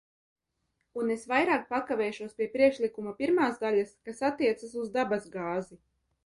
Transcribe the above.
Un es vairāk pakavēšos pie priekšlikuma pirmās daļas, kas attiecas uz dabasgāzi.